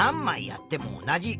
何まいやっても同じ。